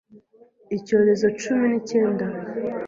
Icyorezo cumi n,icyenda